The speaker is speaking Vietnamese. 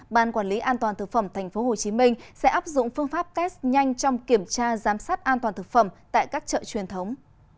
ban quản lý an toàn thực phẩm tp hcm sẽ áp dụng phương pháp test nhanh trong kiểm tra giám sát an toàn thực phẩm tại các chợ truyền thống